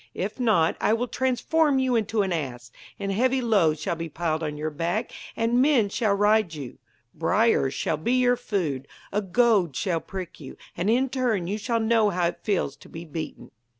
If not I will transform you into an ass, and heavy loads shall be piled on your back, and men shall ride you. Briars shall be your food, a goad shall prick you, and in your turn you shall know how it feels to be beaten.'